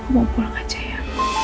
mau pulang aja ya